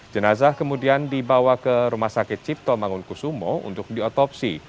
jenazah kemudian dibawa ke rumah sakit cipto mangunkusumo untuk diotopsi